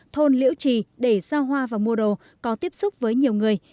thôn liễu trì để ra hoa và mua đồ có tiếp xúc với nhiều người